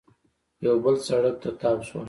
یو بل سړک ته تاو شول